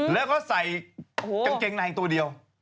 แล้วก็ใส่กางเกงในตัวเดียว